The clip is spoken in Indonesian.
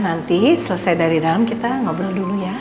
nanti selesai dari dalam kita ngobrol dulu ya